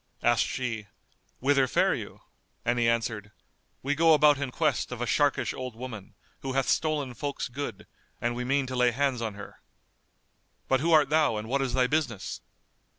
Asked she, "Whither fare you?"; and he answered, "We go about in quest of a sharkish old woman, who hath stolen folk's good, and we mean to lay hands on her. But who art thou and what is thy business?"